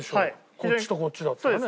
こっちとこっちだったらね。